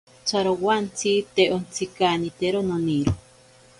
Tsarowantsi te ontsikanitero noniro.